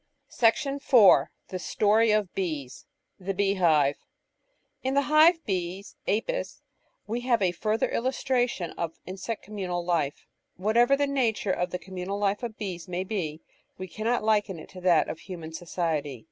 § 4 THE STORY OF BEES The Beehive In the Hive Bees (Apis) we have a further illustration of insect communal life. Whatever the nature of the communal life of bees may be, we cannot liken it to that of human society.